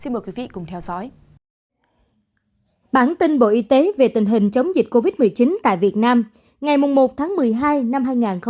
bản tin bộ y tế về tình hình chống dịch covid một mươi chín tại việt nam ngày một tháng một mươi hai năm hai nghìn hai mươi một